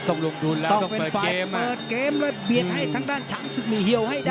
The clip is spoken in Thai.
ต้องเป็นฝ่ายเปิดเกมแล้วเปลี่ยนให้ทั้งด้านช้างสึกมีเฮียวให้ได้